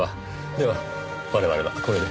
では我々はこれで。